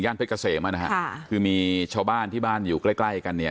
เพชรเกษมอ่ะนะฮะค่ะคือมีชาวบ้านที่บ้านอยู่ใกล้ใกล้กันเนี่ย